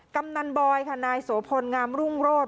กำนันบอยค่ะนายโสพลงามรุ่งโรธ